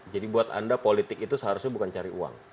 buat anda politik itu seharusnya bukan cari uang